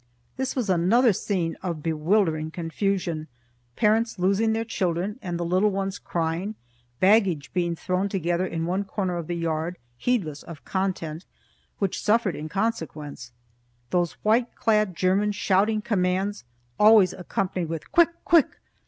This was another scene of bewildering confusion, parents losing their children, and little ones crying; baggage being thrown together in one corner of the yard, heedless of contents, which suffered in consequence; those white clad Germans shouting commands always accompanied with "Quick! Quick!"